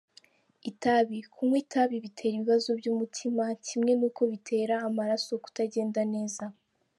Itabi : Kunywa itabi bitera ibibazo by’umutima kimwe n’uko bitera amaraso kutagenda neza.